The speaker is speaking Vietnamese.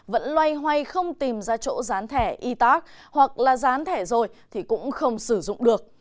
vẫn loay hoay không tìm ra chỗ dán thẻ e tac hoặc là dán thẻ rồi thì cũng không sử dụng được